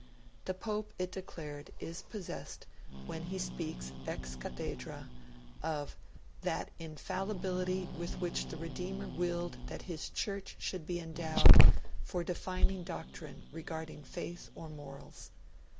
The Pope, it declared, is possessed, when he speaks ex cathedra, of 'that infallibility with which the Redeemer willed that His Church should be endowed for defining doctrine regarding faith or morals'.